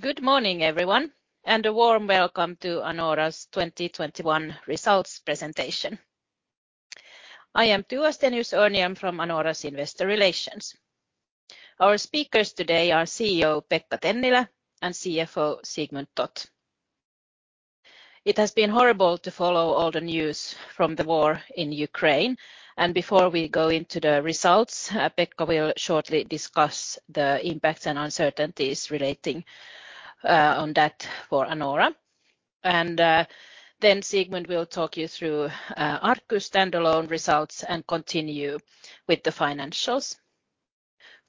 Good morning, everyone, and a warm welcome to Anora's 2021 results presentation. I am Tua Stenius-Örnhjelm from Anora's Investor Relations. Our speakers today are CEO Pekka Tennilä and CFO Sigmund Toth. It has been horrible to follow all the news from the war in Ukraine, and before we go into the results, Pekka will shortly discuss the impacts and uncertainties relating on that for Anora. Then Sigmund will talk you through Arcus standalone results and continue with the financials.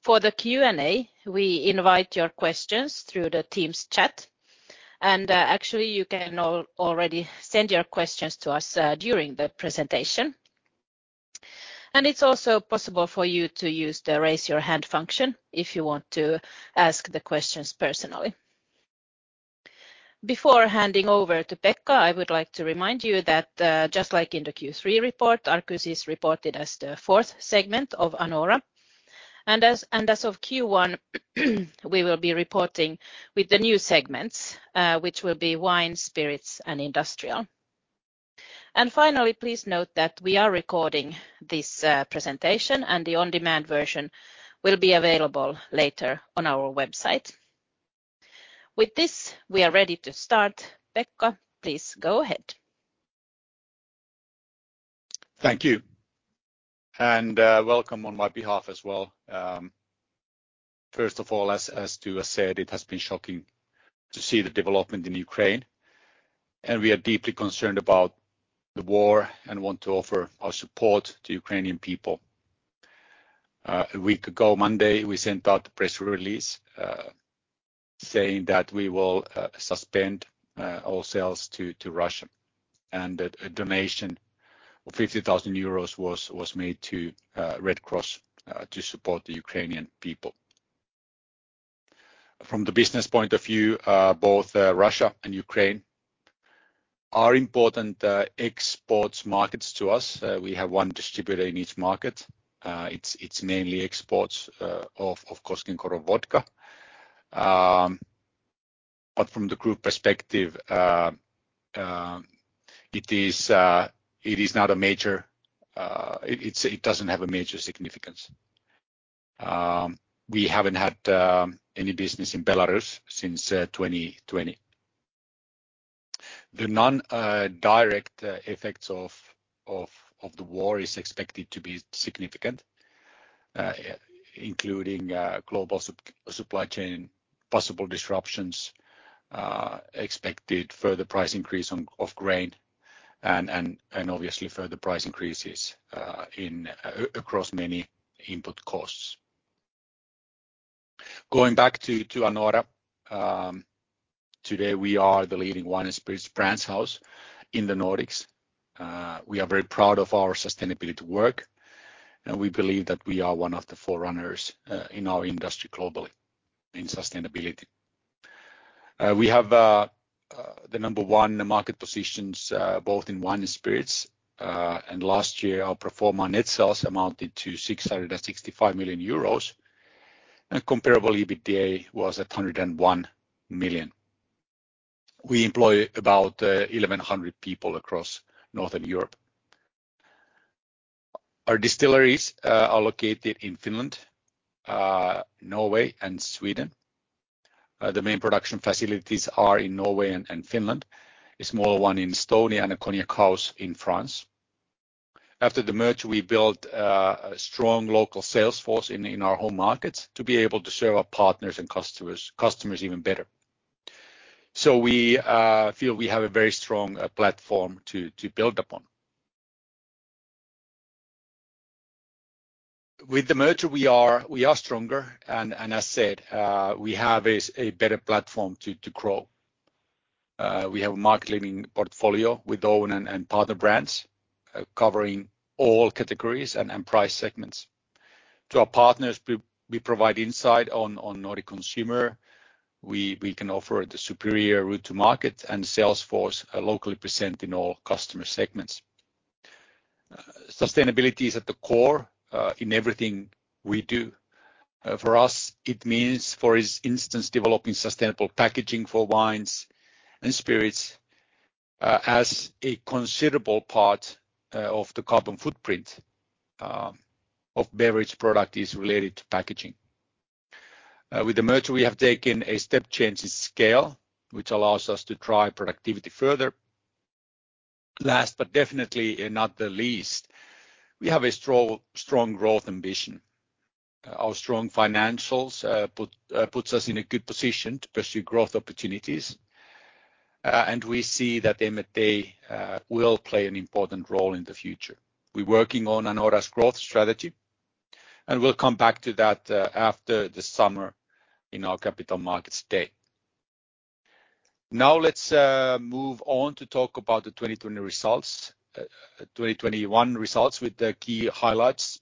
For the Q&A, we invite your questions through the team's chat, and actually you can already send your questions to us during the presentation. It's also possible for you to use the Raise Your Hand function if you want to ask the questions personally. Before handing over to Pekka, I would like to remind you that, just like in the Q3 report, Arcus is reported as the fourth segment of Anora. As of Q1, we will be reporting with the new segments, which will be Wine, Spirits, and Industrial. Finally, please note that we are recording this presentation, and the on-demand version will be available later on our website. With this, we are ready to start. Pekka, please go ahead. Thank you, and welcome on my behalf as well. First of all, as Tua said, it has been shocking to see the development in Ukraine, and we are deeply concerned about the war and want to offer our support to Ukrainian people. A week ago Monday, we sent out a press release saying that we will suspend all sales to Russia and that a donation of 50,000 euros was made to Red Cross to support the Ukrainian people. From the business point of view, both Russia and Ukraine are important exports markets to us. We have one distributor in each market. It's mainly exports of Koskenkorva vodka. From the group perspective, it is not a major; it doesn't have a major significance. We haven't had any business in Belarus since 2020. The indirect effects of the war are expected to be significant, including global supply chain possible disruptions, expected further price increase of grain and obviously further price increases across many input costs. Going back to Anora, today we are the leading wine and spirits brands house in the Nordics. We are very proud of our sustainability work, and we believe that we are one of the forerunners in our industry globally in sustainability. We have the number one market positions both in wine and spirits. Last year, our pro forma net sales amounted to 665 million euros, and comparable EBITDA was 101 million. We employ about 1,100 people across Northern Europe. Our distilleries are located in Finland, Norway, and Sweden. The main production facilities are in Norway and Finland, a small one in Estonia, and a cognac house in France. After the merger, we built a strong local sales force in our home markets to be able to serve our partners and customers even better. We feel we have a very strong platform to build upon. With the merger we are stronger and, as said, we have a better platform to grow. We have a market-leading portfolio with own and partner brands, covering all categories and price segments. To our partners, we provide insight on Nordic consumer. We can offer the superior route to market and sales force, locally present in all customer segments. Sustainability is at the core in everything we do. For us, it means, for instance, developing sustainable packaging for wines and spirits, as a considerable part of the carbon footprint of beverage product is related to packaging. With the merger, we have taken a step change in scale, which allows us to drive productivity further. Last but definitely not the least, we have a strong growth ambition. Our strong financials puts us in a good position to pursue growth opportunities, and we see that M&A will play an important role in the future. We're working on Anora's growth strategy, and we'll come back to that after the summer in our Capital Markets Day. Now let's move on to talk about the 2021 results with the key highlights.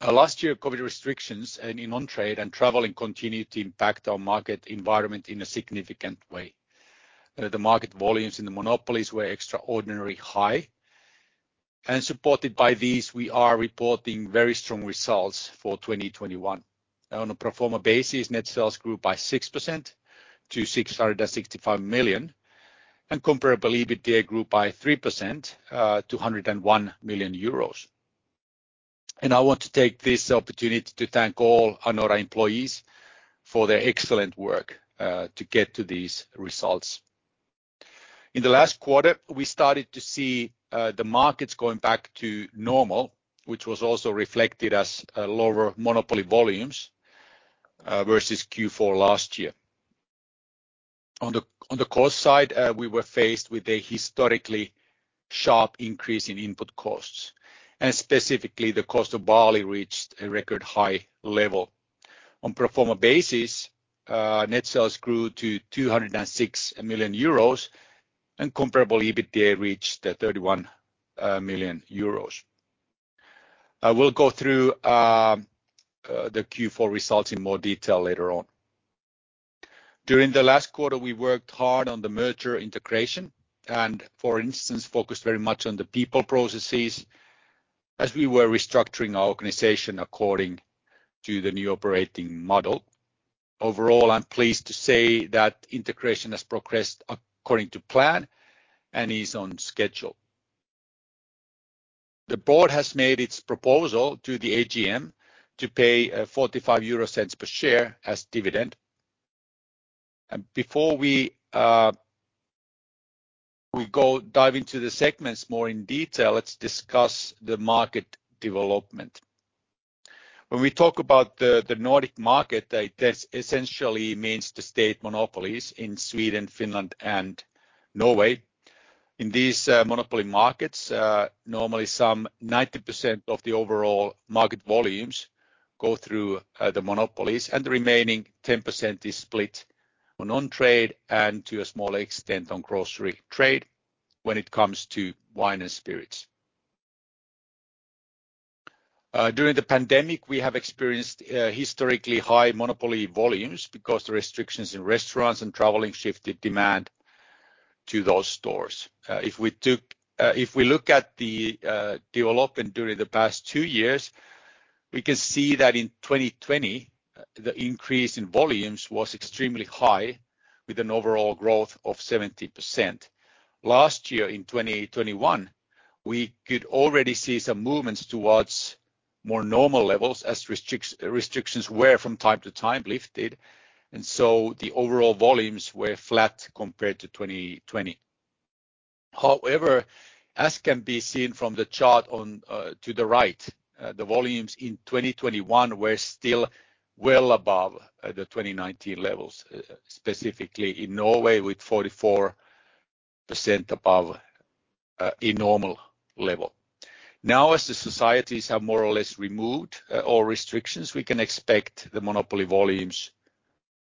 Last year, COVID restrictions on trade and traveling continued to impact our market environment in a significant way. The market volumes in the monopolies were extraordinarily high. Supported by these, we are reporting very strong results for 2021. On a pro forma basis, net sales grew by 6% to 665 million and comparable EBITDA grew by 3% to 101 million euros. I want to take this opportunity to thank all Anora employees for their excellent work to get to these results. In the last quarter, we started to see the markets going back to normal, which was also reflected as lower monopoly volumes versus Q4 last year. On the cost side, we were faced with a historically sharp increase in input costs, and specifically the cost of barley reached a record high level. On pro forma basis, net sales grew to 206 million euros and comparable EBITDA reached 31 million euros. I will go through the Q4 results in more detail later on. During the last quarter, we worked hard on the merger integration and for instance, focused very much on the people processes as we were restructuring our organization according to the new operating model. Overall, I'm pleased to say that integration has progressed according to plan and is on schedule. The board has made its proposal to the AGM to pay 0.45 per share as dividend. Before we go dive into the segments more in detail, let's discuss the market development. When we talk about the Nordic market, this essentially means the state monopolies in Sweden, Finland, and Norway. In these monopoly markets, normally some 90% of the overall market volumes go through the monopolies, and the remaining 10% is split on on-trade and to a smaller extent, on grocery trade when it comes to wine and spirits. During the pandemic, we have experienced historically high monopoly volumes because the restrictions in restaurants and traveling shifted demand to those stores. If we look at the development during the past two years, we can see that in 2020, the increase in volumes was extremely high with an overall growth of 70%. Last year in 2021, we could already see some movements towards more normal levels as restrictions were from time to time lifted, and so the overall volumes were flat compared to 2020. However, as can be seen from the chart on to the right, the volumes in 2021 were still well above the 2019 levels, specifically in Norway with 44% above a normal level. Now, as the societies have more or less removed all restrictions, we can expect the monopoly volumes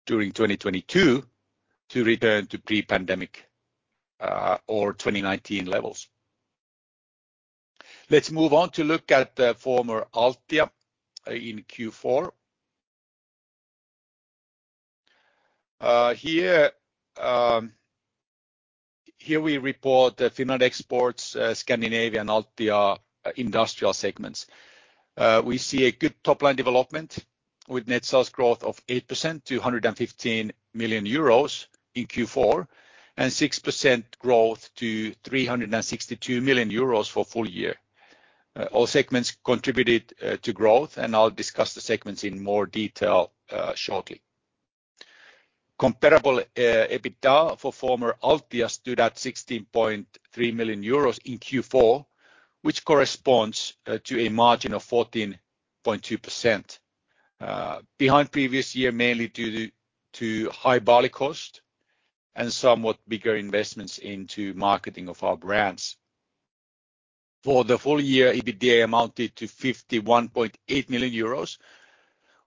during 2022 to return to pre-pandemic or 2019 levels. Let's move on to look at the former Altia in Q4. Here we report the Finland exports, Scandinavia and Altia Industrial segments. We see a good top line development with net sales growth of 8% to 115 million euros in Q4, and 6% growth to 362 million euros for full year. All segments contributed to growth, and I'll discuss the segments in more detail shortly. Comparable EBITDA for former Altia stood at 16.3 million euros in Q4, which corresponds to a margin of 14.2%, behind previous year, mainly due to high barley cost and somewhat bigger investments into marketing of our brands. For the full year, EBITDA amounted to 51.8 million euros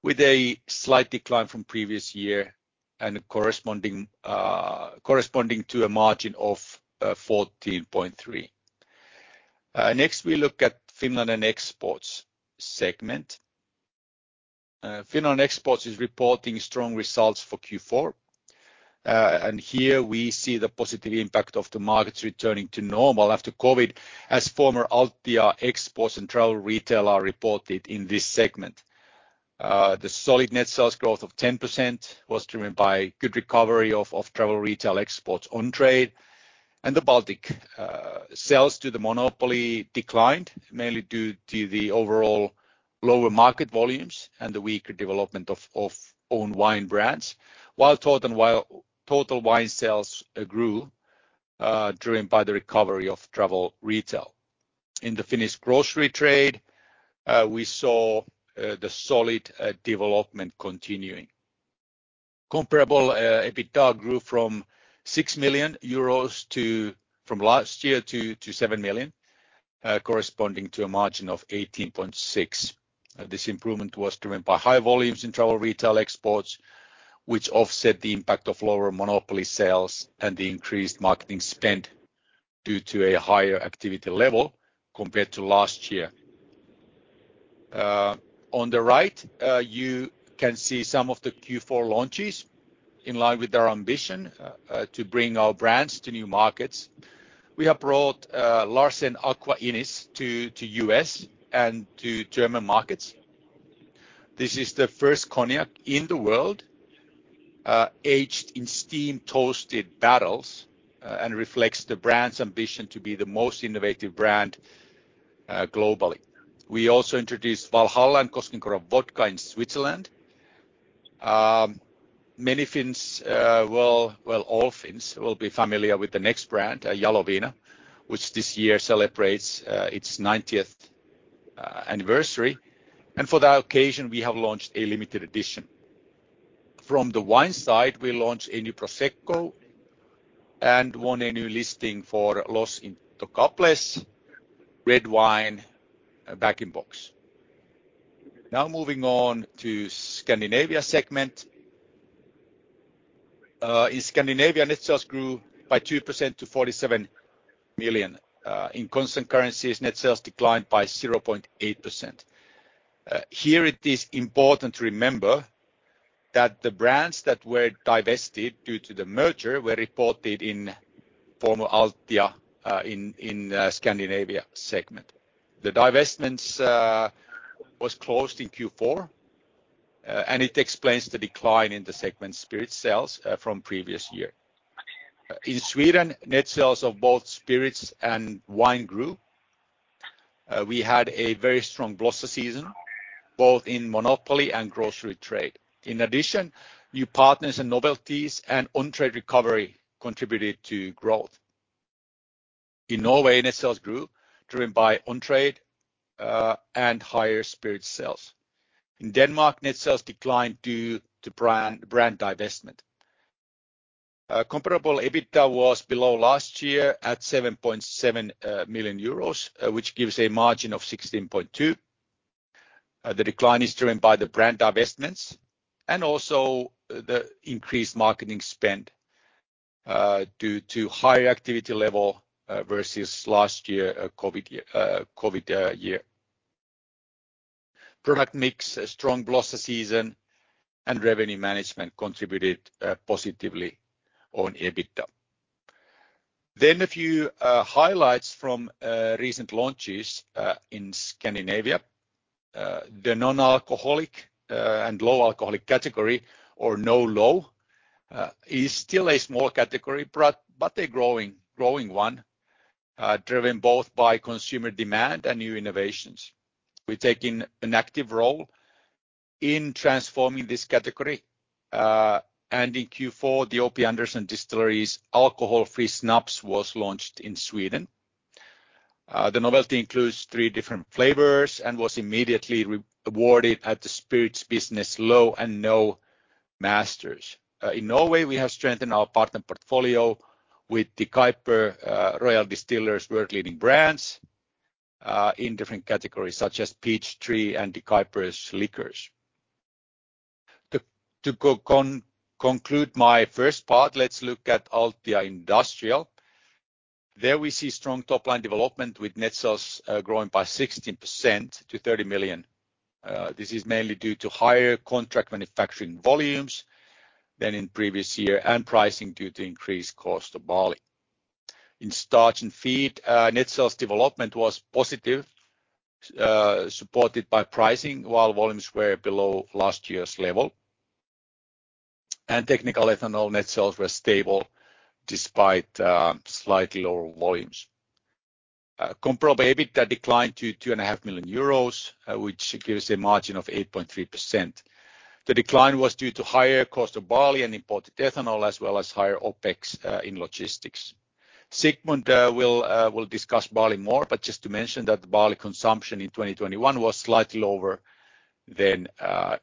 with a slight decline from previous year and corresponding to a margin of 14.3%. Next we look at Finland and Exports segment. Finland Exports is reporting strong results for Q4. Here we see the positive impact of the markets returning to normal after COVID, as former Altia exports and travel retail are reported in this segment. The solid net sales growth of 10% was driven by good recovery of travel retail exports on-trade and the Baltic. Sales to the monopoly declined, mainly due to the overall lower market volumes and the weaker development of own wine brands. While total wine sales grew, driven by the recovery of travel retail. In the Finnish grocery trade, we saw the solid development continuing. Comparable EBITDA grew from 6 million euros last year to 7 million, corresponding to a margin of 18.6%. This improvement was driven by high volumes in travel retail exports, which offset the impact of lower monopoly sales and the increased marketing spend due to a higher activity level compared to last year. On the right, you can see some of the Q4 launches in line with our ambition to bring our brands to new markets. We have brought Larsen Aqua Ignis to U.S. and German markets. This is the first cognac in the world aged in steam-toasted barrels and reflects the brand's ambition to be the most innovative brand globally. We also introduced Valhalla and Koskenkorva Vodka in Switzerland. Many Finns, all Finns will be familiar with the next brand, Jaloviina, which this year celebrates its 90th anniversary. For that occasion, we have launched a limited edition. From the wine side, we launched a new prosecco and won a new listing for Los Tocales red wine bag-in-box. Now moving on to Scandinavia segment. In Scandinavia, net sales grew by 2% to 47 million. In constant currencies, net sales declined by 0.8%. Here it is important to remember that the brands that were divested due to the merger were reported in former Altia in Scandinavia segment. The divestments was closed in Q4 and it explains the decline in the segment spirit sales from previous year. In Sweden, net sales of both spirits and wine grew. We had a very strong Blossa season, both in monopoly and grocery trade. In addition, new partners and novelties and on-trade recovery contributed to growth. In Norway, net sales grew, driven by on-trade and higher spirit sales. In Denmark, net sales declined due to brand divestment. Comparable EBITDA was below last year at 7.7 million euros, which gives a margin of 16.2%. The decline is driven by the brand divestments and also the increased marketing spend, due to higher activity level, versus last year, COVID year. Product mix, a strong Blossa season, and revenue management contributed positively on EBITDA. A few highlights from recent launches in Scandinavia. The non-alcoholic and low-alcoholic category, or no low, is still a small category, but a growing one, driven both by consumer demand and new innovations. We're taking an active role in transforming this category. In Q4, the O.P. Anderson Distillery's Alkoholfri Snaps was launched in Sweden. The novelty includes three different flavors and was immediately rewarded at the Spirits Business Low & No Masters. In Norway, we have strengthened our partner portfolio with De Kuyper Royal Distillers world-leading brands in different categories such as Peachtree and De Kuyper's liqueurs. To conclude my first part, let's look at Altia Industrial. There we see strong top line development with net sales growing by 16% to 30 million. This is mainly due to higher contract manufacturing volumes than in previous year and pricing due to increased cost of barley. In starch and feed, net sales development was positive, supported by pricing, while volumes were below last year's level. Technical ethanol net sales were stable despite slightly lower volumes. Comparable EBITDA declined to 2.5 million euros, which gives a margin of 8.3%. The decline was due to higher cost of barley and imported ethanol, as well as higher OpEx in logistics. Sigmund will discuss barley more, but just to mention that the barley consumption in 2021 was slightly lower than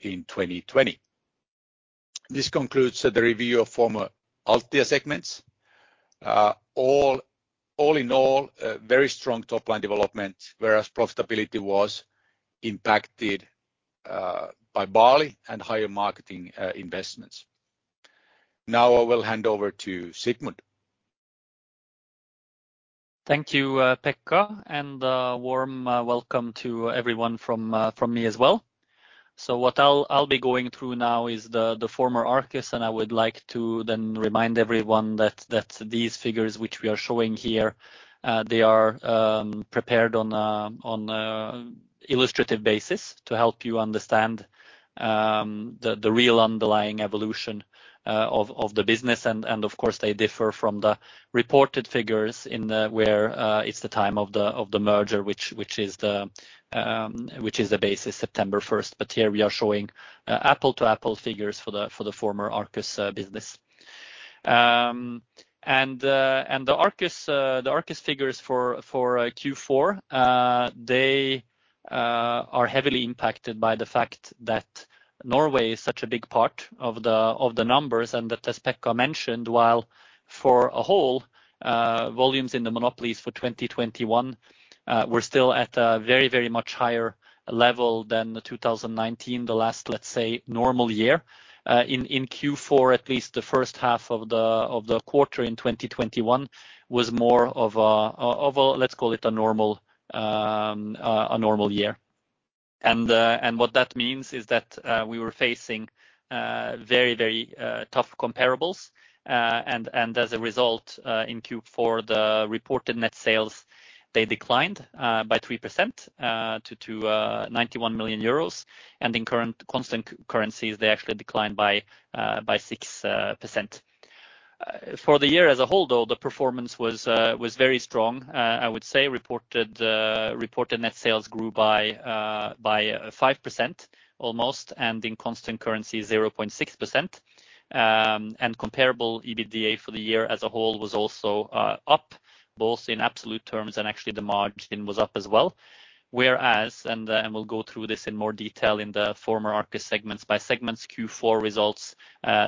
in 2020. This concludes the review of former Altia segments. All in all, a very strong top line development, whereas profitability was impacted by barley and higher marketing investments. Now I will hand over to Sigmund. Thank you, Pekka, and warm welcome to everyone from me as well. What I'll be going through now is the former Arcus, and I would like to remind everyone that these figures which we are showing here, they are prepared on a illustrative basis to help you understand the real underlying evolution of the business. Of course, they differ from the reported figures in where it's the time of the merger which is the basis September 1st. Here we are showing apple-to-apple figures for the former Arcus business. The Arcus figures for Q4 are heavily impacted by the fact that Norway is such a big part of the numbers and that, as Pekka mentioned, while for a whole, volumes in the monopolies for 2021 we're still at a very much higher level than 2019, the last, let's say, normal year. In Q4, at least the first half of the quarter in 2021 was more of a, let's call it a normal year. What that means is that we were facing very tough comparables. As a result, in Q4 the reported net sales declined by 3% to 91 million euros. In current constant currencies, they actually declined by 6%. For the year as a whole, though, the performance was very strong. I would say reported net sales grew by almost 5%, and in constant currency, 0.6%. Comparable EBITDA for the year as a whole was also up, both in absolute terms and actually the margin was up as well. Whereas we'll go through this in more detail in the ex-Arcus segment-by-segment Q4 results,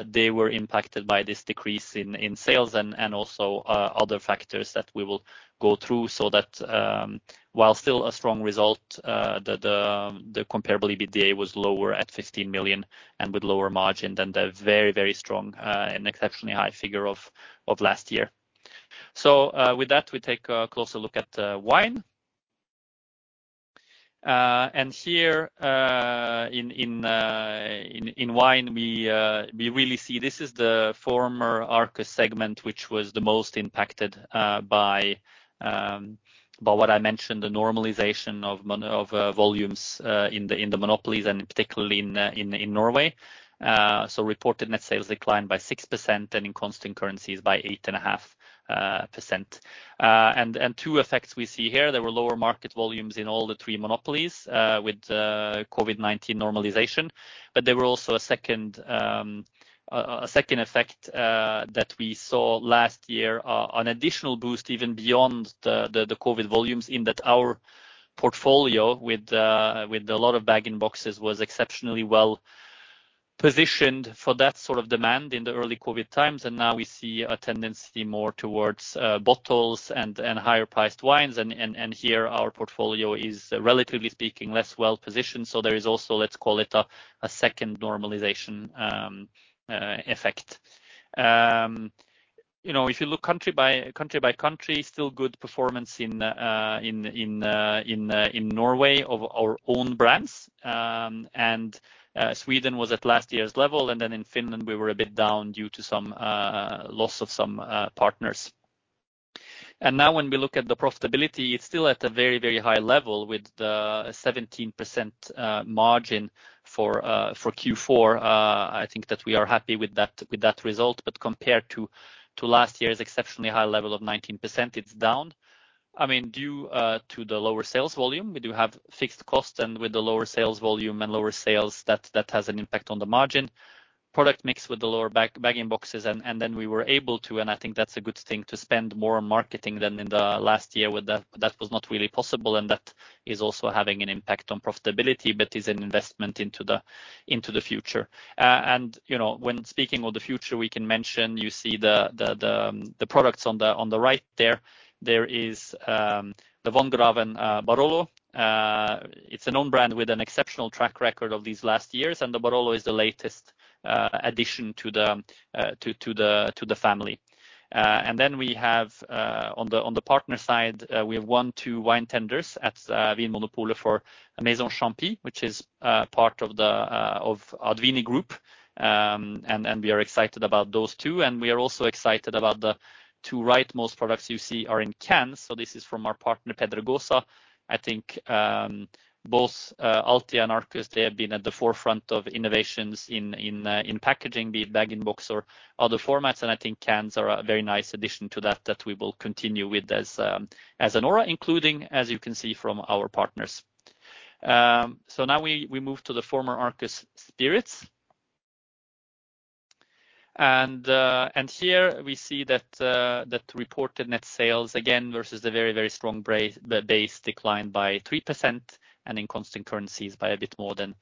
they were impacted by this decrease in sales and also other factors that we will go through. That, while still a strong result, the comparable EBITDA was lower at 15 million and with lower margin than the very, very strong and exceptionally high figure of last year. With that, we take a closer look at Wine. Here, in Wine, we really see this is the former Arcus segment, which was the most impacted by what I mentioned, the normalization of volumes in the monopolies, and particularly in Norway. Reported net sales declined by 6% and in constant currencies by 8.5%. Two effects we see here. There were lower market volumes in all three monopolies with the COVID-19 normalization. There were also a second effect that we saw last year, an additional boost even beyond the COVID volumes in that our portfolio with a lot of bag-in-boxes was exceptionally well-positioned for that sort of demand in the early COVID times. Now we see a tendency more towards bottles and higher-priced wines. Here our portfolio is relatively speaking, less well-positioned. There is also, let's call it a second normalization effect. You know, if you look country by country, still good performance in Norway of our own brands. Sweden was at last year's level, and then in Finland we were a bit down due to some loss of some partners. Now when we look at the profitability, it's still at a very, very high level with the 17% margin for Q4. I think that we are happy with that result. Compared to last year's exceptionally high level of 19%, it's down. I mean, due to the lower sales volume. We do have fixed cost, and with the lower sales volume and lower sales, that has an impact on the margin. Product mix with the lower bag-in-boxes. Then we were able to, and I think that's a good thing, to spend more on marketing than in the last year. That was not really possible, and that is also having an impact on profitability, but is an investment into the future. You know, when speaking of the future, we can mention you see the products on the right there. There is the Wongraven Barolo. It's an own brand with an exceptional track record of these last years, and the Barolo is the latest addition to the family. Then we have on the partner side we have won two wine tenders at Vinmonopolet for Maison Champy, which is part of the AdVini Group. We are excited about those two. We are also excited about the two right-most products you see are in cans. This is from our partner, Pedregosa. I think both Altia and Arcus they have been at the forefront of innovations in packaging, be it bag-in-box or other formats. I think cans are a very nice addition to that we will continue with as Anora, including as you can see from our partners. Now we move to the former Arcus Spirits. Here we see that reported net sales again versus the very strong base declined by 3% and in constant currencies by a bit more than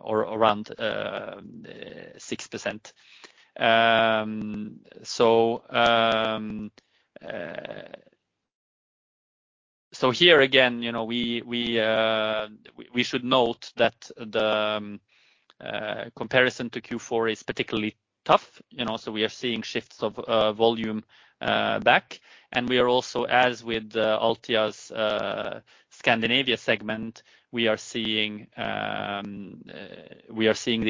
or around 6%. Here again, you know, we should note that the comparison to Q4 is particularly tough. You know, we are seeing shifts of volume back. We are also, as with Altia's Scandinavia segment, seeing the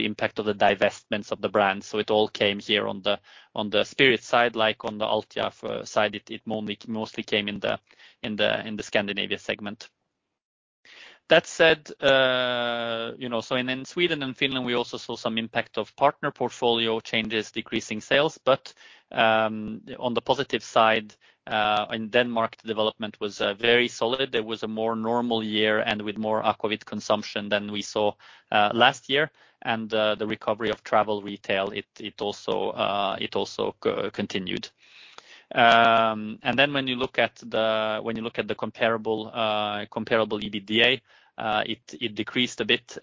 impact of the divestments of the brand. It all came here on the spirit side, like on the Altia side, it mostly came in the Scandinavia segment. That said, you know, in Sweden and Finland, we also saw some impact of partner portfolio changes, decreasing sales. On the positive side, in Denmark, development was very solid. There was a more normal year and with more aquavit consumption than we saw last year. The recovery of travel retail, it also continued. When you look at the comparable EBITDA, it decreased a bit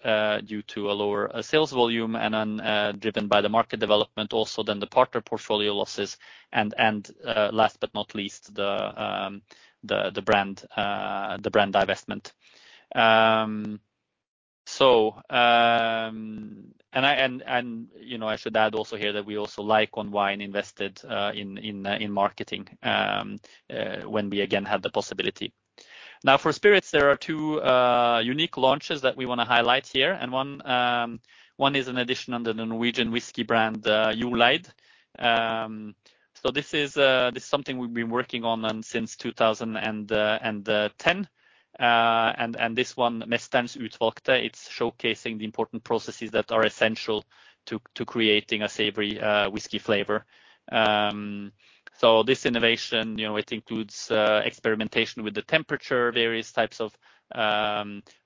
due to a lower sales volume and then driven by the market development also then the partner portfolio losses and last but not least, the brand divestment. You know, I should add also here that we also like on wine invested in marketing when we again had the possibility. Now, for spirits, there are two unique launches that we wanna highlight here, and one is an addition under the Norwegian whisky brand Gjoleid. This is something we've been working on since 2010. This one, Mesterens Utvalgte, it's showcasing the important processes that are essential to creating a savory whiskey flavor. This innovation, you know, it includes experimentation with the temperature, various types of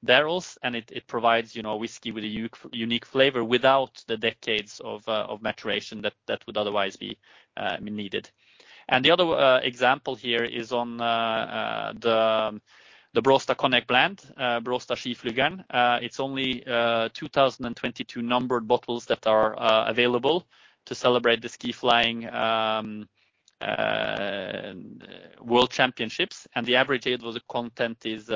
barrels, and it provides, you know, whiskey with a unique flavor without the decades of maturation that would otherwise be needed. The other example here is on the Braastad Cognac Blend, Braastad Skiflygeren. It's only 2022 numbered bottles that are available to celebrate the ski flying World Championships. The average age of the content is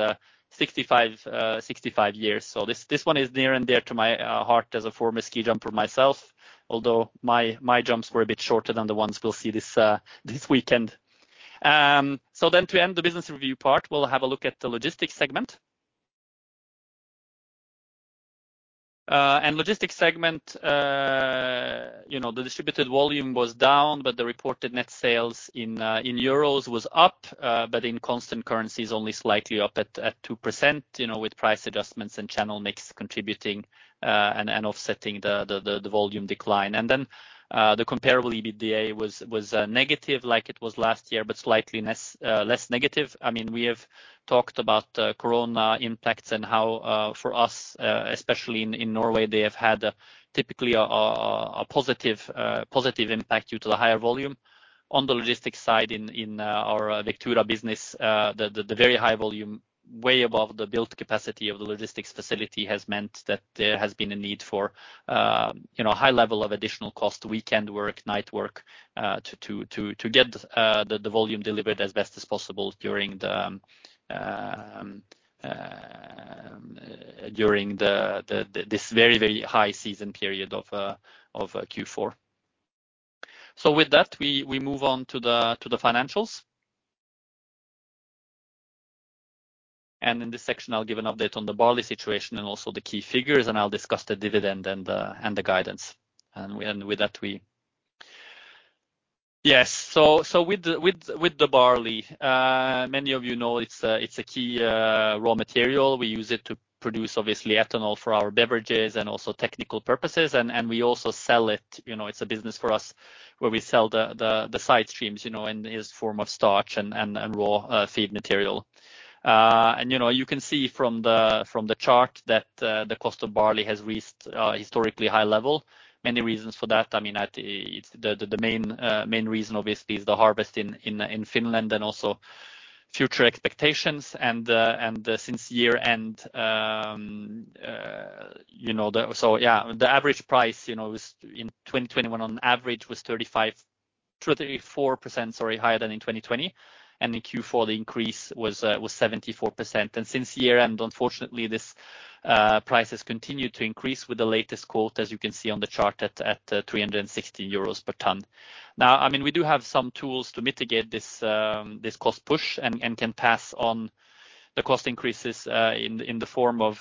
65 years. This one is near and dear to my heart as a former ski jumper myself, although my jumps were a bit shorter than the ones we'll see this weekend. To end the business review part, we'll have a look at the Logistics segment. Logistics segment, you know, the distributed volume was down, but the reported net sales in euros was up, but in constant currencies only slightly up at 2%, you know, with price adjustments and channel mix contributing and offsetting the volume decline. The comparable EBITDA was negative like it was last year, but slightly less negative. I mean, we have talked about corona impacts and how for us especially in Norway they have had typically a positive impact due to the higher volume. On the logistics side in our Vectura business the very high volume way above the built capacity of the logistics facility has meant that there has been a need for you know a high level of additional cost weekend work night work to get the volume delivered as best as possible during this very high season period of Q4. With that, we move on to the financials. In this section, I'll give an update on the barley situation and also the key figures, and I'll discuss the dividend and the guidance. With that, with the barley, many of you know it's a key raw material. We use it to produce obviously ethanol for our beverages and also technical purposes. We also sell it. You know, it's a business for us where we sell the side streams, you know, in this form of starch and raw feed material. You know, you can see from the chart that the cost of barley has reached historically high level. Many reasons for that. I mean, it's the main reason obviously is the harvest in Finland and also future expectations. Since year-end, the average price was in 2021 on average 34% higher than in 2020. In Q4 the increase was 74%. Since year-end, unfortunately this price has continued to increase with the latest quote, as you can see on the chart, at 360 euros per ton. Now, I mean, we do have some tools to mitigate this cost push and can pass on the cost increases in the form of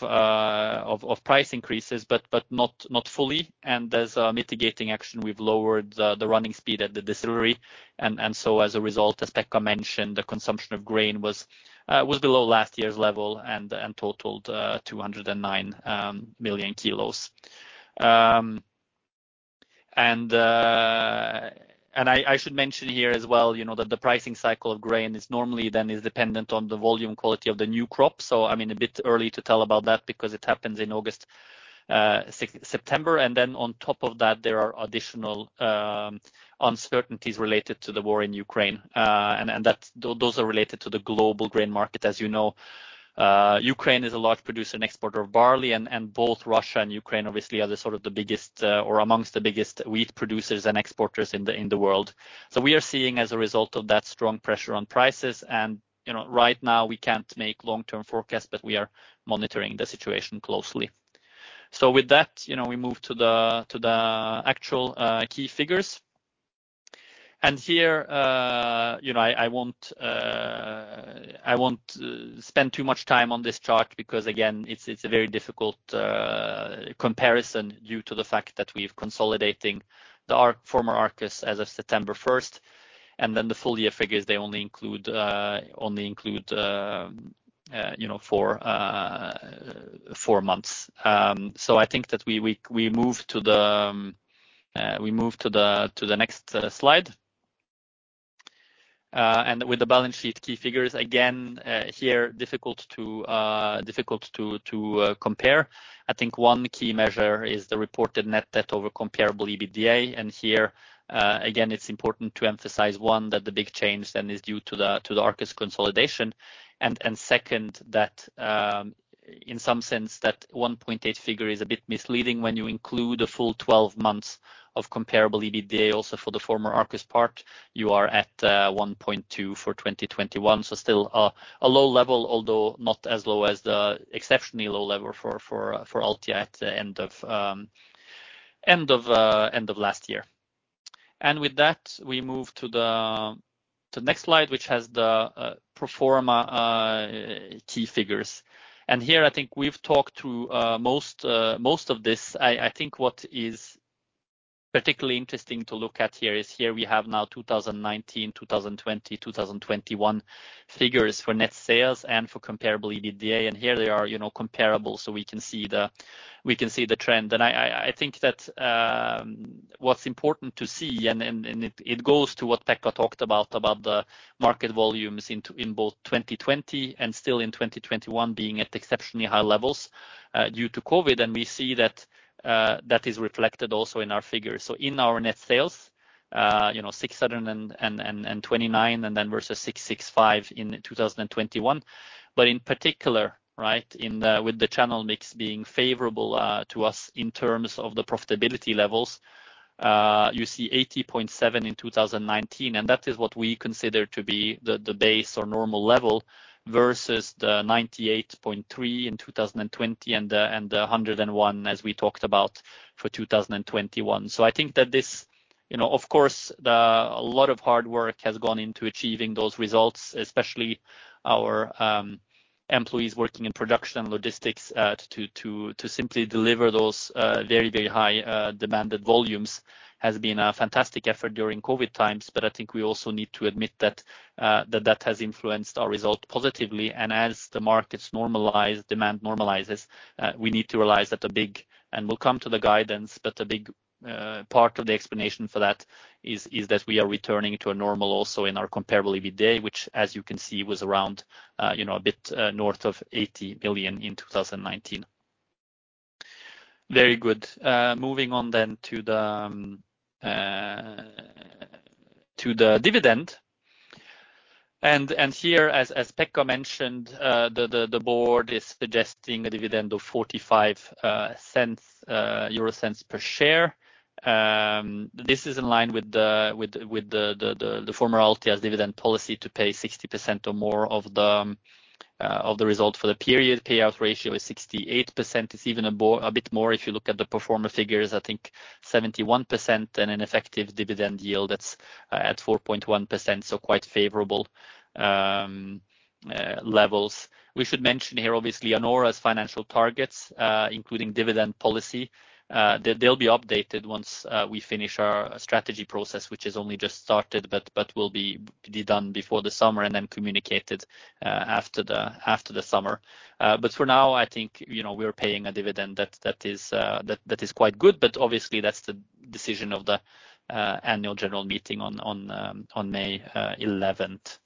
price increases, but not fully. As a mitigating action, we've lowered the running speed at the distillery. As a result, as Pekka mentioned, the consumption of grain was below last year's level and totaled 209 million kilos. I should mention here as well, you know, that the pricing cycle of grain is normally dependent on the volume quality of the new crop. I mean, a bit early to tell about that because it happens in August, September. On top of that, there are additional uncertainties related to the war in Ukraine. Those are related to the global grain market. As you know, Ukraine is a large producer and exporter of barley, and both Russia and Ukraine obviously are sort of the biggest, or among the biggest wheat producers and exporters in the world. We are seeing as a result of that strong pressure on prices and, you know, right now we can't make long-term forecasts, but we are monitoring the situation closely. With that, you know, we move to the actual key figures. Here, you know, I won't spend too much time on this chart because again, it's a very difficult comparison due to the fact that we're consolidating the former Arcus as of September 1st, and then the full year figures, they only include four months. I think that we move to the next slide. With the balance sheet key figures, again, here, difficult to compare. I think one key measure is the reported net debt over comparable EBITDA. Here, again, it's important to emphasize, one, that the big change then is due to the Arcus consolidation. And second, that in some sense, that 1.8 figure is a bit misleading when you include the full 12 months of comparable EBITDA also for the former Arcus part, you are at 1.2 for 2021. So still a low level, although not as low as the exceptionally low level for Altia at the end of last year. With that, we move to the next slide, which has the pro forma key figures. Here I think we've talked through most of this. I think what is particularly interesting to look at here is we have now 2019, 2020, 2021 figures for net sales and for comparable EBITDA. Here they are, you know, comparable, so we can see the trend. I think that what's important to see, it goes to what Pekka talked about the market volumes in both 2020 and still in 2021 being at exceptionally high levels due to COVID. We see that that is reflected also in our figures. In our net sales, you know, 629 and then versus 665 in 2021. In particular, right, with the channel mix being favorable to us in terms of the profitability levels, you see 80.7% in 2019, and that is what we consider to be the base or normal level versus the 98.3% in 2020 and the 101% as we talked about for 2021. I think that this, you know, of course, a lot of hard work has gone into achieving those results, especially our employees working in production logistics to simply deliver those very high demanded volumes has been a fantastic effort during COVID times. I think we also need to admit that that has influenced our result positively. As the markets normalize, demand normalizes, we need to realize that. We'll come to the guidance, but a big part of the explanation for that is that we are returning to a normal also in our comparable EBITDA, which as you can see, was around, you know, a bit, north of 80 million in 2019. Very good. Moving on to the dividend. Here as Pekka mentioned, the board is suggesting a dividend of 0.45 per share. This is in line with the former Altia's dividend policy to pay 60% or more of the result for the period. Payout ratio is 68%. It's even a bit more if you look at the pro forma figures, I think 71% and an effective dividend yield that's at 4.1%, so quite favorable levels. We should mention here, obviously, Anora's financial targets, including dividend policy, they will be updated once we finish our strategy process, which has only just started but will be done before the summer and then communicated after the summer. For now, I think, you know, we're paying a dividend that is quite good. Obviously, that's the decision of the Annual General Meeting on May 11th.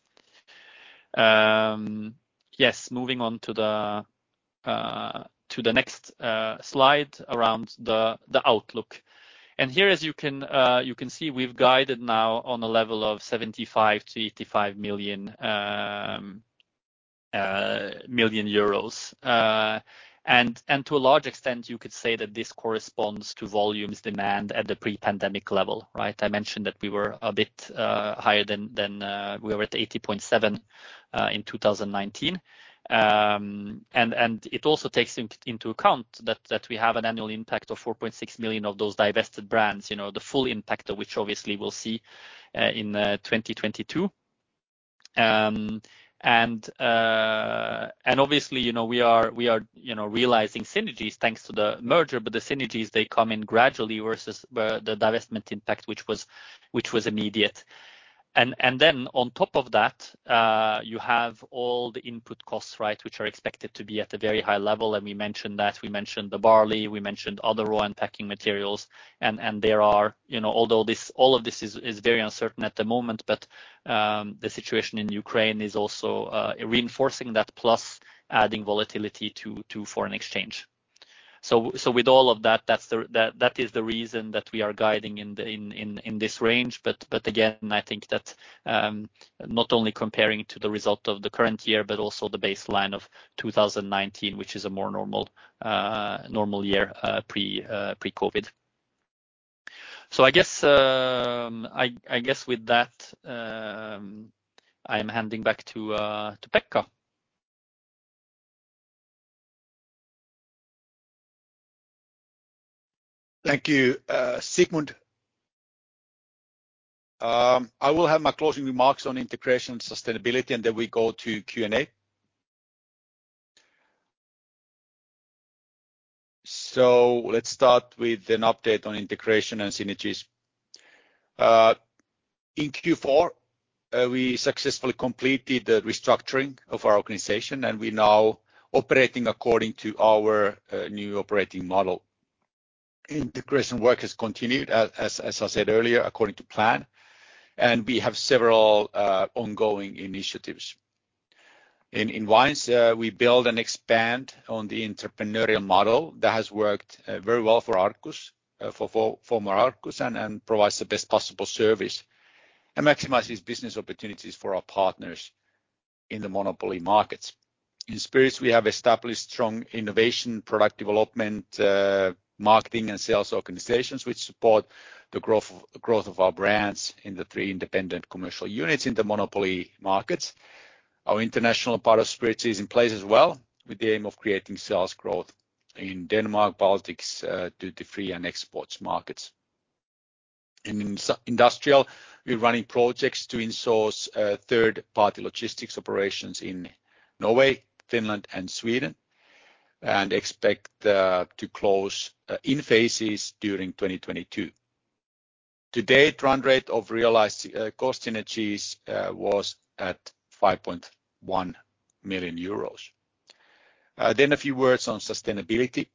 Yes, moving on to the next slide around the outlook. Here as you can see, we've guided now on a level of 75 million-85 million euros. To a large extent, you could say that this corresponds to volume demand at the pre-pandemic level, right? I mentioned that we were a bit higher than we were at 80.7 million in 2019. It also takes into account that we have an annual impact of 4.6 million of those divested brands, you know, the full impact of which obviously we'll see in 2022. Obviously, you know, we are realizing synergies thanks to the merger, but the synergies, they come in gradually versus the divestment impact which was immediate. Then on top of that, you have all the input costs, right, which are expected to be at a very high level. We mentioned that, we mentioned the barley, we mentioned other raw and packing materials. There are, you know, although this all of this is very uncertain at the moment, but the situation in Ukraine is also reinforcing that plus adding volatility to foreign exchange. With all of that's the reason that we are guiding in this range. Again, I think that not only comparing to the result of the current year but also the baseline of 2019, which is a more normal year pre-COVID. I guess with that, I'm handing back to Pekka. Thank you, Sigmund. I will have my closing remarks on integration and sustainability, and then we go to Q&A. Let's start with an update on integration and synergies. In Q4, we successfully completed the restructuring of our organization, and we're now operating according to our new operating model. Integration work has continued, as I said earlier, according to plan, and we have several ongoing initiatives. In Wines, we build and expand on the entrepreneurial model that has worked very well for Arcus, for former Arcus and provides the best possible service and maximizes business opportunities for our partners in the monopoly markets. In Spirits, we have established strong innovation, product development, marketing, and sales organizations which support the growth of our brands in the three independent commercial units in the monopoly markets. Our international part of spirits is in place as well, with the aim of creating sales growth in Denmark, Baltics, duty-free and exports markets. In Industrial, we're running projects to insource third-party logistics operations in Norway, Finland and Sweden, and expect to close in phases during 2022. To date, run rate of realized cost synergies was at 5.1 million euros. A few words on sustainability.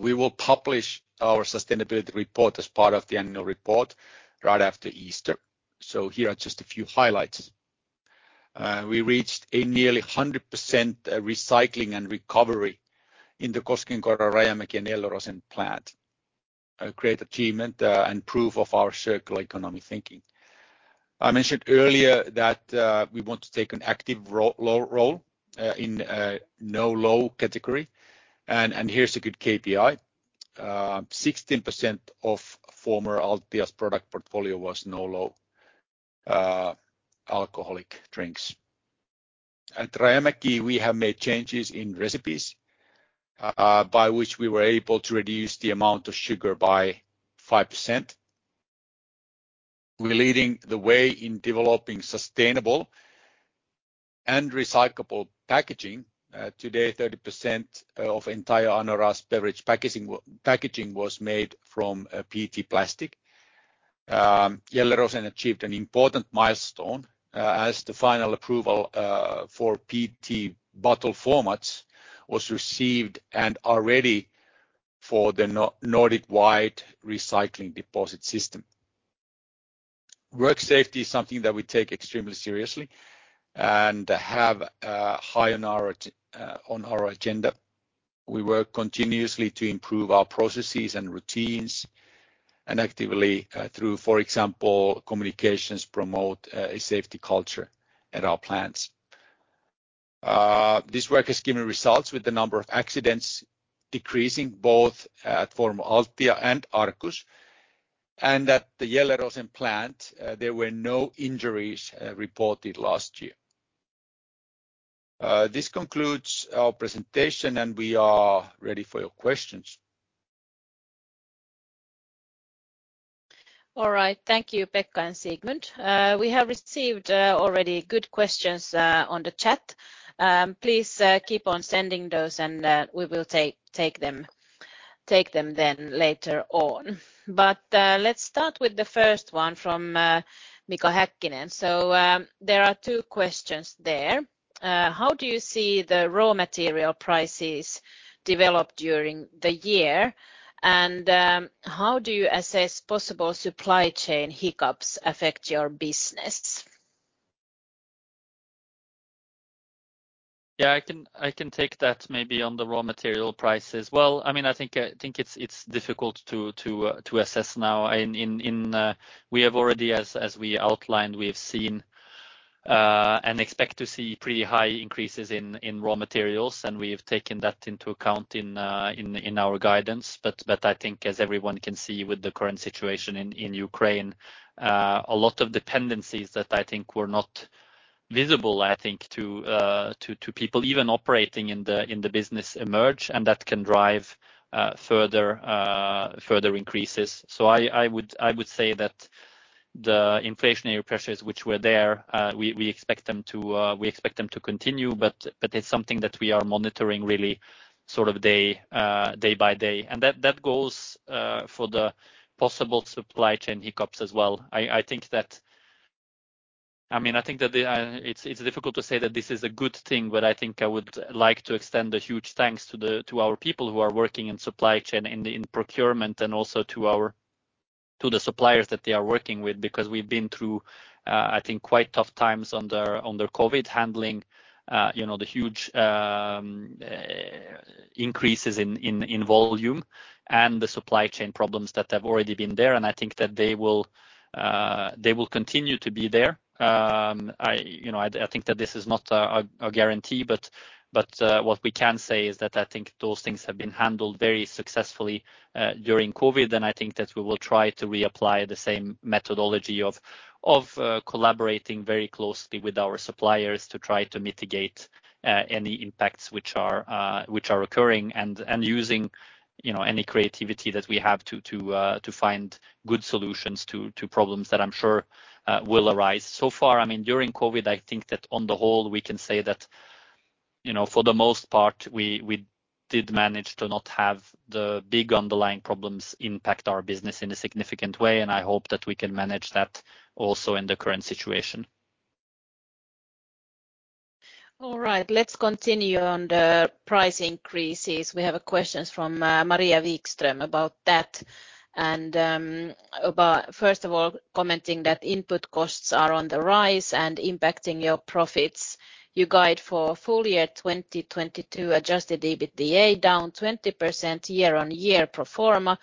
We will publish our sustainability report as part of the annual report right after Easter. Here are just a few highlights. We reached a nearly 100% recycling and recovery in the Koskenkorva, Rajamäki, and Gelleråsen plant. A great achievement and proof of our circular economic thinking. I mentioned earlier that we want to take an active role in a no/low category. Here's a good KPI. 16% of former Altia's product portfolio was no/low alcoholic drinks. At Rajamäki we have made changes in recipes by which we were able to reduce the amount of sugar by 5%. We're leading the way in developing sustainable and recyclable packaging. Today 30% of entire Anora's beverage packaging was made from PET plastic. Gelleråsen achieved an important milestone as the final approval for PET bottle formats was received and are ready for the Nordic-wide recycling deposit system. Work safety is something that we take extremely seriously and have high on our agenda. We work continuously to improve our processes and routines, and actively, through, for example, communications, promote a safety culture at our plants. This work has given results with the number of accidents decreasing, both at former Altia and Arcus. At the Gelleråsen plant, there were no injuries reported last year. This concludes our presentation, and we are ready for your questions. All right. Thank you, Pekka and Sigmund. We have received already good questions on the chat. Please keep on sending those and we will take them then later on. Let's start with the first one from Mika Häkkinen. There are two questions there. How do you see the raw material prices develop during the year? How do you assess possible supply chain hiccups affect your business? Yeah, I can take that maybe on the raw material prices. Well, I mean, I think it's difficult to assess now. We have already, as we outlined, we have seen and expect to see pretty high increases in raw materials, and we have taken that into account in our guidance. I think as everyone can see with the current situation in Ukraine, a lot of dependencies that I think were not visible, I think to people even operating in the business emerge and that can drive further increases. I would say that the inflationary pressures which were there, we expect them to continue, but it's something that we are monitoring really sort of day by day. That goes for the possible supply chain hiccups as well. I mean, I think that it's difficult to say that this is a good thing, but I think I would like to extend a huge thanks to our people who are working in supply chain in procurement and also to the suppliers that they are working with because we've been through, I think, quite tough times under COVID handling. You know, the huge increases in volume and the supply chain problems that have already been there, and I think that they will continue to be there. I, you know, I think that this is not a guarantee, but what we can say is that I think those things have been handled very successfully during COVID. I think that we will try to reapply the same methodology of collaborating very closely with our suppliers to try to mitigate any impacts which are occurring and using, you know, any creativity that we have to find good solutions to problems that I'm sure will arise. So far, I mean, during COVID, I think that on the whole, we can say that, you know, for the most part we did manage to not have the big underlying problems impact our business in a significant way, and I hope that we can manage that also in the current situation. All right. Let's continue on the price increases. We have a question from Maria Wikström about that and about first of all commenting that input costs are on the rise and impacting your profits. You guide for full year 2022 Adjusted EBITDA down 20% year-on-year pro forma.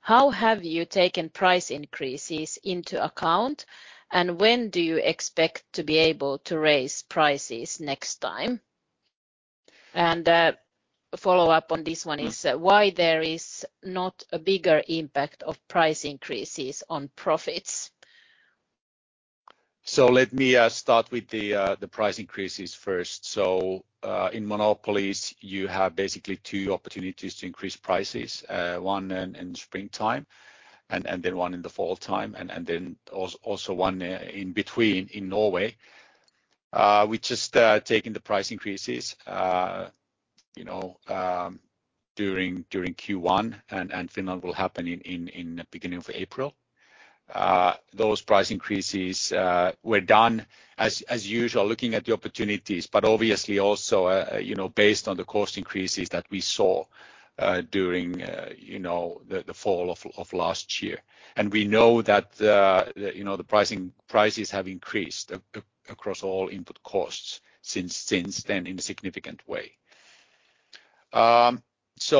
How have you taken price increases into account, and when do you expect to be able to raise prices next time? A follow-up on this one is why there is not a bigger impact of price increases on profits? Let me start with the price increases first. In monopolies, you have basically two opportunities to increase prices. One in springtime and then one in the fall time, and then also one in between in Norway. We just taken the price increases, you know, during Q1 and in Finland will happen in beginning of April. Those price increases were done as usual, looking at the opportunities, but obviously also, you know, based on the cost increases that we saw during, you know, the fall of last year. We know that, you know, the pricing, prices have increased across all input costs since then in a significant way. That's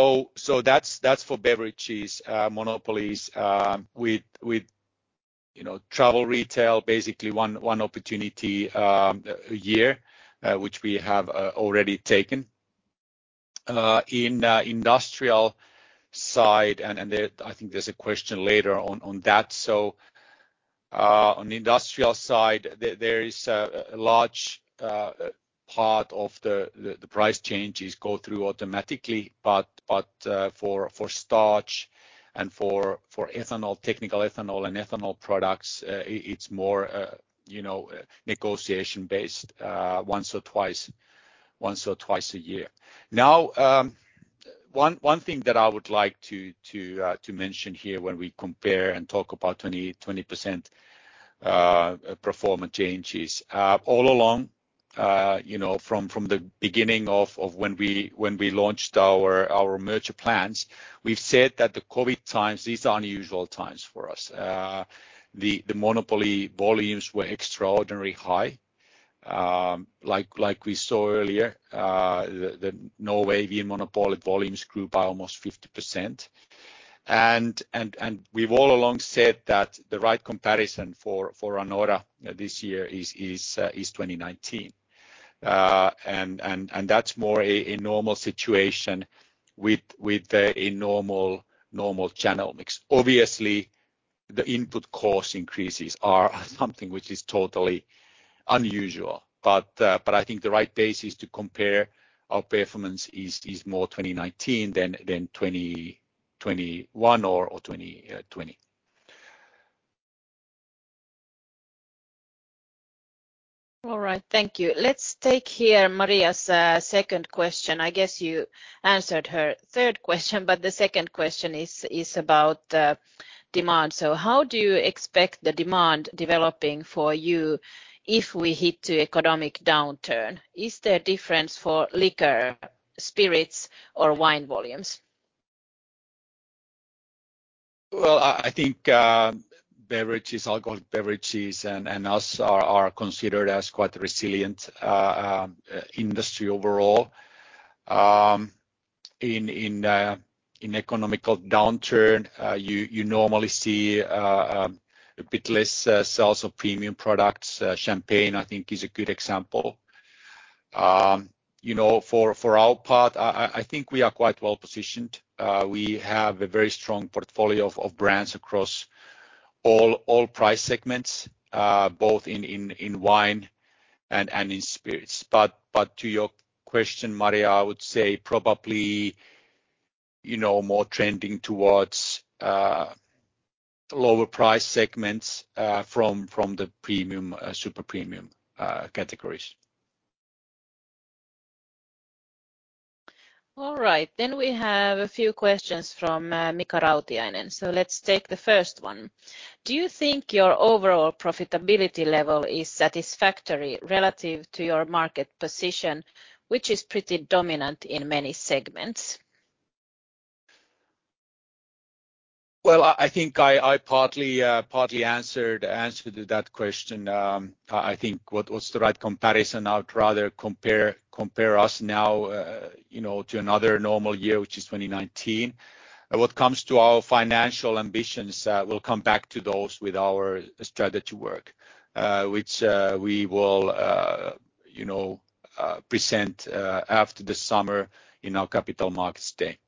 for beverage monopolies with, you know, travel retail, basically one opportunity a year, which we have already taken. In industrial side, and there I think there's a question later on that. On the industrial side, there is a large part of the price changes go through automatically, but for starch and for ethanol, technical ethanol and ethanol products, it's more, you know, negotiation-based, once or twice a year. One thing that I would like to mention here when we compare and talk about 20% performance changes. All along, you know, from the beginning of when we launched our merger plans, we've said that the COVID times, these are unusual times for us. The monopoly volumes were extraordinarily high. Like we saw earlier, the Norwegian monopoly volumes grew by almost 50%. We've all along said that the right comparison for Anora this year is 2019. That's more a normal situation with a normal channel mix. Obviously, the input cost increases are something which is totally unusual. I think the right basis to compare our performance is more 2019 than 2021 or 2020. All right. Thank you. Let's take here Maria's second question. I guess you answered her third question, but the second question is about demand. How do you expect the demand developing for you if we hit an economic downturn? Is there a difference for liquor, spirits or wine volumes? Well, I think beverages, alcoholic beverages and us are considered as quite a resilient industry overall. In economic downturn, you normally see a bit less sales of premium products. Champagne, I think is a good example. You know, for our part, I think we are quite well-positioned. We have a very strong portfolio of brands across all price segments, both in wine and in spirits. To your question, Maria, I would say probably, you know, more trending towards lower price segments from the premium super premium categories. All right. We have a few questions from Mika Rautiainen. Let's take the first one. Do you think your overall profitability level is satisfactory relative to your market position, which is pretty dominant in many segments? Well, I think I partly answered that question. I think what's the right comparison? I'd rather compare us now, you know, to another normal year, which is 2019. When it comes to our financial ambitions, we'll come back to those with our strategy work, which we will present after the summer in our Capital Markets Day.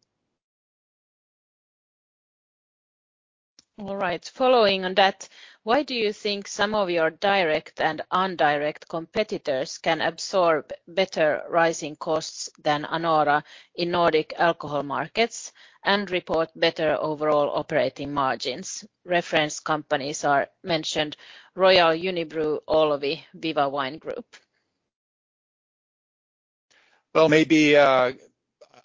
All right. Following on that, why do you think some of your direct and indirect competitors can absorb better rising costs than Anora in Nordic alcohol markets and report better overall operating margins? Reference companies are mentioned Royal Unibrew, Olvi, Viva Wine Group. Well, maybe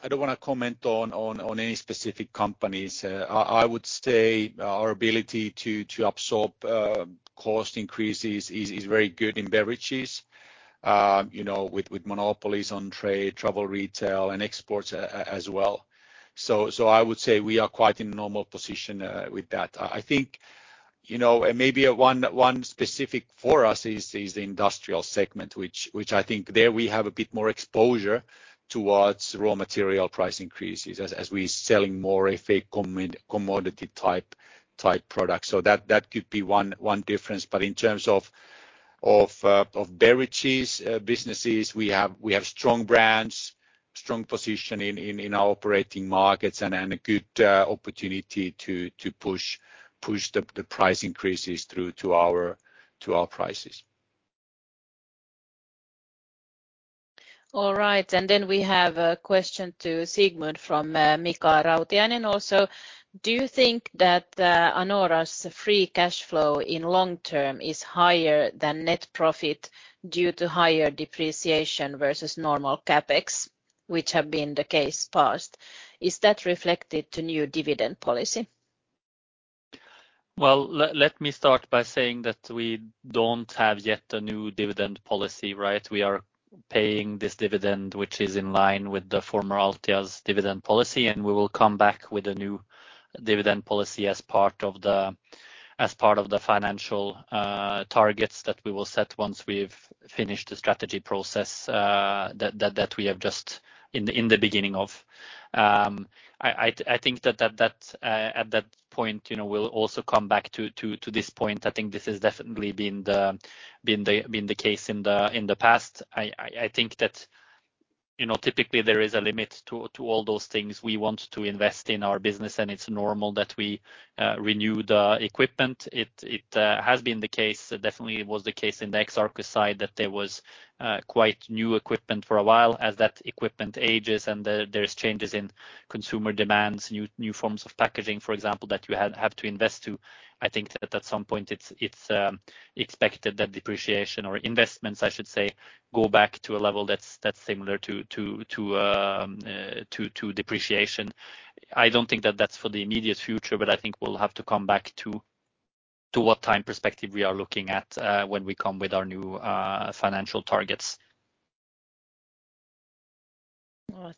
I don't want to comment on any specific companies. I would say our ability to absorb cost increases is very good in beverages, you know, with monopolies on trade, travel retail and exports as well. I would say we are quite in normal position with that. I think, you know, maybe one specific for us is the Industrial segment, which I think there we have a bit more exposure towards raw material price increases as we're selling more like a commodity type product. That could be one difference. But in terms of beverages businesses, we have strong brands, strong position in our operating markets and a good opportunity to push the price increases through to our prices. All right. We have a question to Sigmund from Mika Rautiainen also. Do you think that Anora's free cash flow in long term is higher than net profit due to higher depreciation versus normal CapEx, which have been the case past? Is that reflected to new dividend policy? Well, let me start by saying that we don't have yet a new dividend policy, right? We are paying this dividend, which is in line with the former Altia's dividend policy, and we will come back with a new dividend policy as part of the financial targets that we will set once we've finished the strategy process that we have just in the beginning of. I think that at that point, you know, we'll also come back to this point. I think this has definitely been the case in the past. I think that, you know, typically there is a limit to all those things. We want to invest in our business, and it's normal that we renew the equipment. It has been the case, definitely was the case in the ex-Arcus side that there was quite new equipment for a while. As that equipment ages and there's changes in consumer demands, new forms of packaging, for example, that you have to invest to, I think at some point it's expected that depreciation or investments, I should say, go back to a level that's similar to depreciation. I don't think that's for the immediate future, but I think we'll have to come back to what time perspective we are looking at when we come with our new financial targets.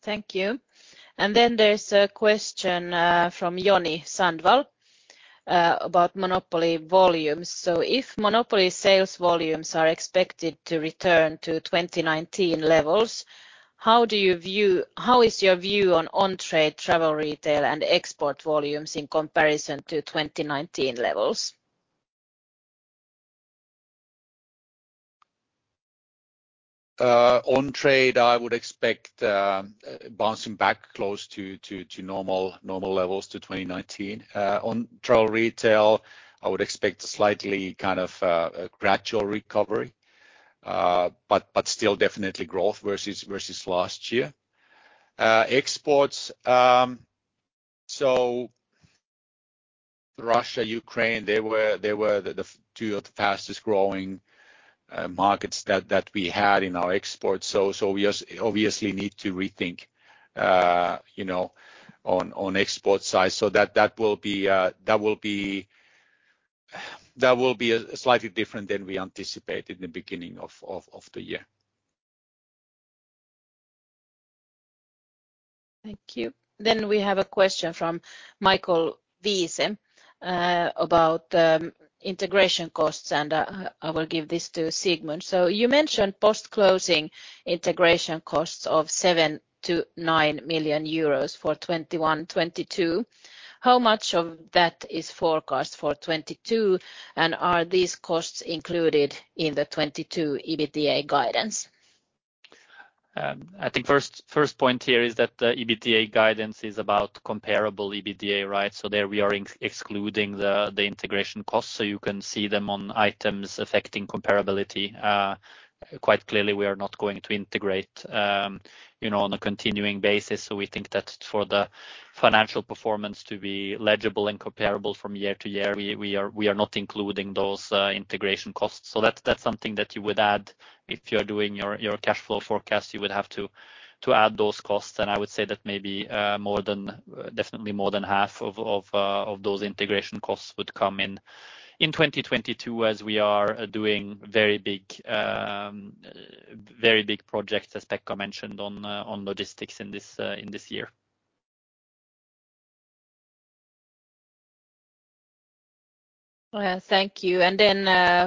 Thank you. There's a question from Joni Sandvall about monopoly volumes. If monopoly sales volumes are expected to return to 2019 levels, how is your view on on-trade travel retail and export volumes in comparison to 2019 levels? On-trade, I would expect bouncing back close to normal levels to 2019. On travel retail, I would expect a slightly kind of gradual recovery, but still definitely growth versus last year. Exports, Russia, Ukraine, they were the two of the fastest growing markets that we had in our exports. We just obviously need to rethink, you know, on export side. That will be slightly different than we anticipated in the beginning of the year. Thank you. We have a question from Michael Wiese about integration costs, and I will give this to Sigmund. You mentioned post-closing integration costs of 7 million-9 million euros for 2021, 2022. How much of that is forecast for 2022, and are these costs included in the 2022 EBITDA guidance? I think first point here is that the EBITDA guidance is about comparable EBITDA, right? So there we are excluding the integration costs, so you can see them on items affecting comparability. Quite clearly, we are not going to integrate, you know, on a continuing basis. So we think that for the financial performance to be legible and comparable from year to year, we are not including those integration costs. So that's something that you would add. If you're doing your cash flow forecast, you would have to add those costs. I would say that maybe more than definitely more than half of those integration costs would come in in 2022 as we are doing very big projects, as Pekka mentioned, on logistics in this year. Well, thank you.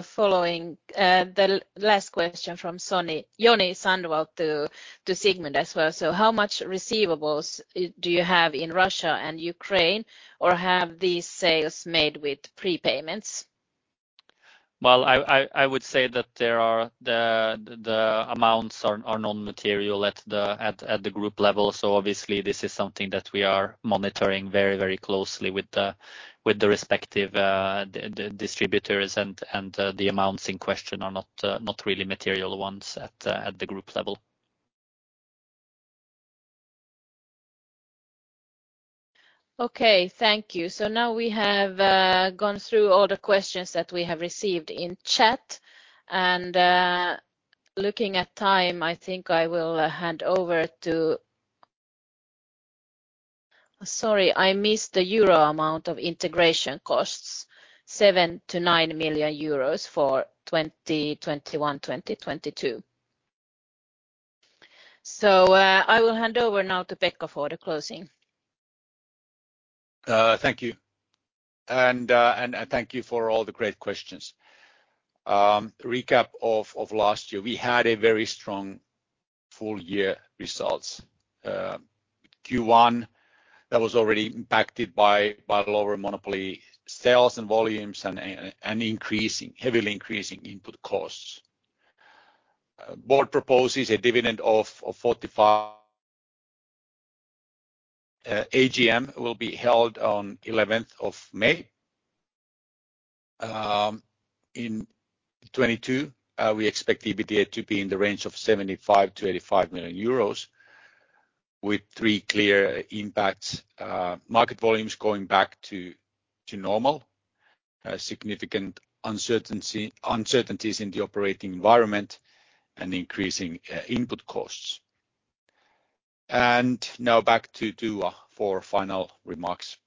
Following the last question from Joni Sandvall to Sigmund Toth as well. How much receivables do you have in Russia and Ukraine, or have these sales made with prepayments? Well, I would say the amounts are non-material at the group level. So obviously this is something that we are monitoring very, very closely with the respective distributors. The amounts in question are not really material ones at the group level. Okay. Thank you. Now we have gone through all the questions that we have received in chat. Looking at time, I think I will hand over. Sorry, I missed the euro amount of integration costs, 7 million-9 million euros for 2021, 2022. I will hand over now to Pekka for the closing. Thank you for all the great questions. Recap of last year, we had a very strong full-year results. Q1 that was already impacted by lower monopoly sales and volumes and increasing, heavily increasing input costs. Board proposes a dividend of 45. AGM will be held on 11th of May. In 2022, we expect EBITDA to be in the range of 75 million-85 million euros with three clear impacts, market volumes going back to normal, significant uncertainties in the operating environment, and increasing input costs. Now back to Tua Stenius-Örnhjelm for final remarks.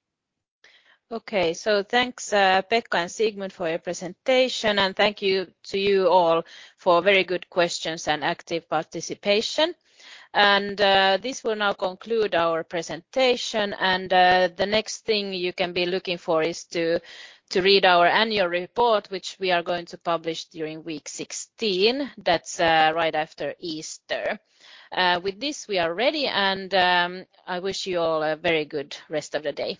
Okay. Thanks, Pekka Tennilä and Sigmund Toth for your presentation, and thank you to you all for very good questions and active participation. This will now conclude our presentation, and the next thing you can be looking for is to read our annual report, which we are going to publish during Week 16. That's right after Easter. With this, we are ready, and I wish you all a very good rest of the day. Bye.